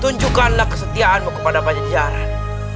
tunjukkanlah kesetiaanmu kepada pajajaran